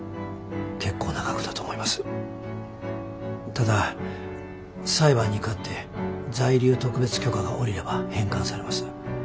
ただ裁判に勝って在留特別許可が下りれば返還されます。